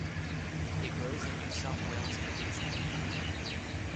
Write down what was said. It grows in New South Wales and Queensland.